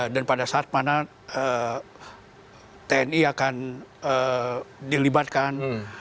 dan pada saat mana tni akan dilibatkan